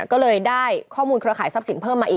ก็เลยได้ข้อมูลเครือข่ายทรัพย์สินเพิ่มมาอีก